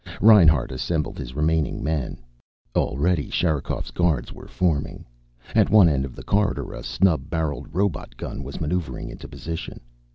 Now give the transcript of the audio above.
Reinhart assembled his remaining men. Already, Sherikov's guards were forming. At one end of the corridor a snub barreled robot gun was maneuvering into position.